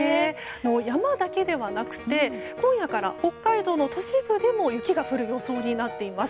山だけではなくて、今夜から北海道の都市部でも雪が降る予想になっています。